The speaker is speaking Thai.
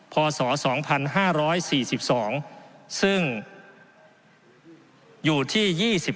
ข้อสอ๒๕๔๒ซึ่งอยู่ที่๒๙๕๘